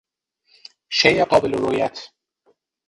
شی قابل رویت